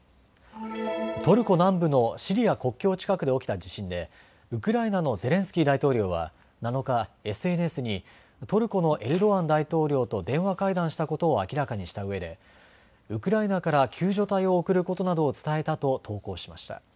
トルコ南部のシリア国境近くで起きた地震でウクライナのゼレンスキー大統領は７日、ＳＮＳにトルコのエルドアン大統領と電話会談したことを明らかにしたうえで、ウクライナから救助隊を送ることなどを伝えたと投稿しました。